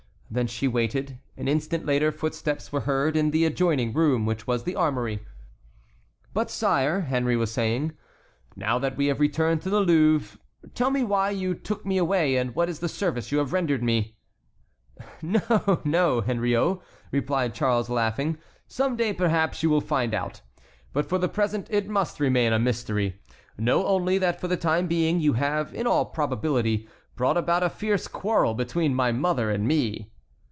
Then she waited. An instant later footsteps were heard in the adjoining room, which was the armory. "But, sire," Henry was saying, "now that we have returned to the Louvre, tell me why you took me away and what is the service you have rendered me." "No, no, Henriot," replied Charles, laughing, "some day, perhaps, you will find out; but for the present it must remain a mystery. Know only that for the time being you have in all probability brought about a fierce quarrel between my mother and me."